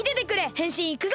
へんしんいくぞ！